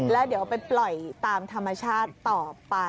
แล้วเดี๋ยวไปปล่อยตามธรรมชาติต่อไป